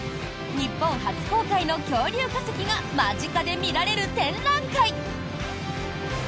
日本初公開の恐竜化石が間近で見られる展覧会。